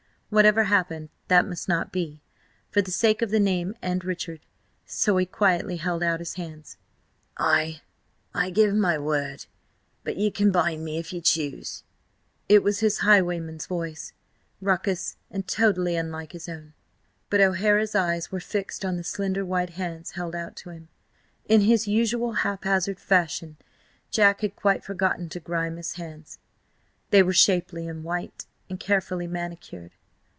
Whatever happened, that must not be, for the sake of the name and Richard. So he quietly held out his hands. "Ay, I give my word, but ye can bind me if ye choose." It was his highwayman voice: raucous, and totally unlike his own. But O'Hara's eyes were fixed on the slender white hands held out to him. In his usual haphazard fashion, Jack had quite forgotten to grime his hands. They were shapely and white, and carefully manicured.